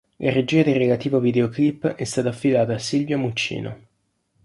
La regia del relativo videoclip è stata affidata a Silvio Muccino.